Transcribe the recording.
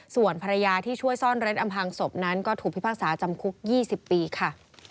ส่วนภรรยาที่ช่วยซ่อนเร้นอำพังศพนั้นก็ถูกพิพากษาจำคุก๒๐ปีค่ะ